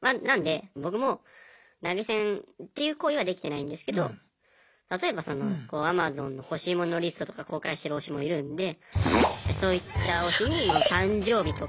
なので僕も投げ銭っていう行為はできてないんですけど例えばそのアマゾンの欲しいものリストとか公開してる推しもいるんでそういった推しに誕生日とか。